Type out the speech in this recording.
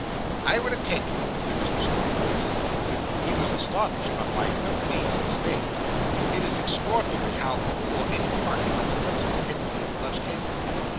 'I will attend you,' said Mr. Snodgrass. He was astonished, but by no means dismayed. It is extraordinary how cool any party but the principal can be in such cases.